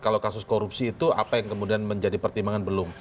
kalau kasus korupsi itu apa yang kemudian menjadi pertimbangan belum